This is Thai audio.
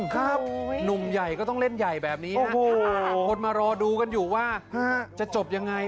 ครับหนุ่มใหญ่ก็ต้องเล่นใหญ่แบบนี้คนมารอดูกันอยู่ว่าจะจบยังไง